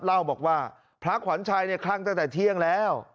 เล่าบอกว่าพระขวัญชัยเนี่ยคลั่งตั้งแต่เที่ยงแล้ว